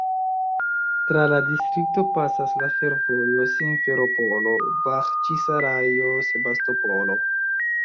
Tra la distrikto pasas la fervojo Simferopolo-Baĥĉisarajo-Sebastopolo.